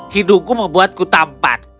hidungku membuatku tampan